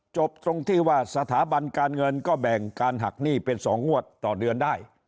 จบตรงที่ว่าสถาบันการเงินก็แบ่งการหักหนี้เป็น๒งวดต่อเดือนได้